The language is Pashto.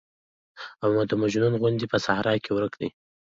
او د مجنون غوندې په صحرا کې ورک دى.